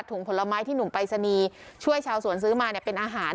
ผลไม้ที่หนุ่มปรายศนีย์ช่วยชาวสวนซื้อมาเนี่ยเป็นอาหาร